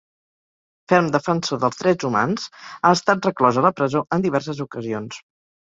Ferm defensor dels drets humans, ha estat reclòs a la presó en diverses ocasions.